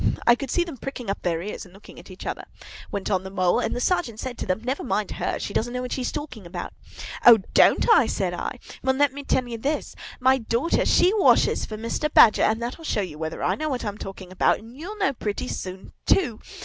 "I could see them pricking up their ears and looking at each other," went on the Mole; "and the Sergeant said to them, 'Never mind her; she doesn't know what she's talking about.'" "'O! don't I?'" said I. "'Well, let me tell you this. My daughter, she washes for Mr. Badger, and that'll show you whether I know what I'm talking about; and you>'ll know pretty soon, too!